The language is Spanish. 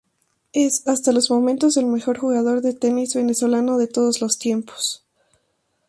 Es hasta los momentos el mejor jugador de tenis venezolano de todos los tiempos.